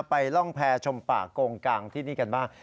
ร่องแพรชมป่าโกงกางที่นี่กันบ้าง